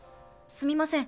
すみません